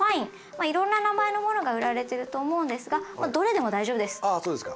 まあいろんな名前のものが売られてると思うんですがもうどれでも大丈夫です。